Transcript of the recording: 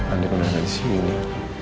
andi masih disini